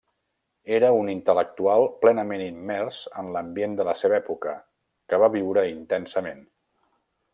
Era un intel·lectual plenament immers en l'ambient de la seva època, que va viure intensament.